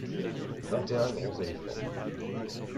vingt et un grands éléphants.